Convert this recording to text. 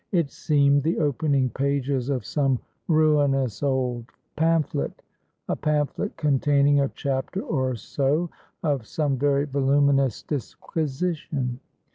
It seemed the opening pages of some ruinous old pamphlet a pamphlet containing a chapter or so of some very voluminous disquisition.